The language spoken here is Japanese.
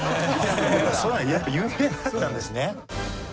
有名だったんですね。